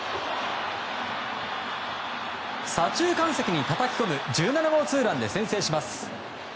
左中間席にたたき込む１７号ツーランで先制します。